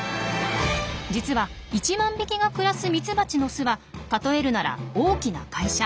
実は１万匹が暮らすミツバチの巣は例えるなら大きな会社。